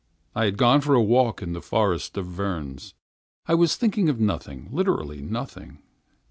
I had gone for a walk in the forest of Vernes. I was thinking of nothing, literally nothing.